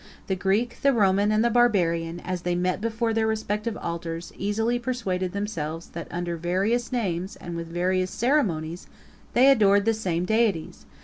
The Greek, the Roman, and the Barbarian, as they met before their respective altars, easily persuaded themselves, that under various names, and with various ceremonies, they adored the same deities.